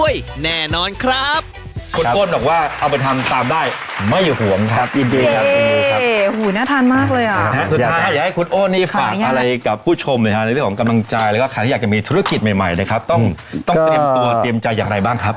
อยากจะมีธุรกิจใหม่เลยครับต้องเตรียมตัวเตรียมใจอย่างไรบ้างครับ